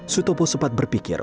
sutopo sempat berpikir